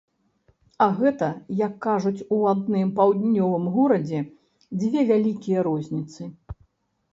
А гэта, як кажуць у адным паўднёвым горадзе, дзве вялікія розніцы.